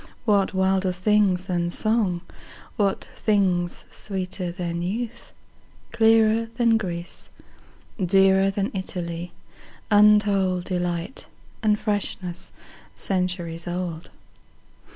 What wilder things than song, what thingsSweeter than youth, clearer than Greece, Dearer than Italy, untoldDelight, and freshness centuries old?